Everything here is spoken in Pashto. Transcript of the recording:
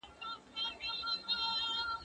ته ولي ليکنه کوې